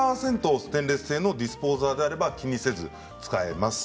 ステンレス製のディスポーザーであれば気にせず使えます。